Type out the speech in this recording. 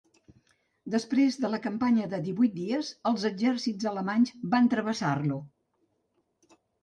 Després de la campanya de divuit dies els exèrcits alemanys van travessar-lo.